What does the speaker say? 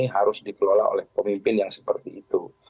harus dikelola oleh pemimpin yang seperti itu